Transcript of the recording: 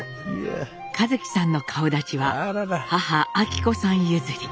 一輝さんの顔だちは母昭子さん譲り。